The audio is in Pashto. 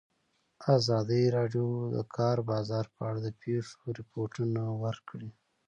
ازادي راډیو د د کار بازار په اړه د پېښو رپوټونه ورکړي.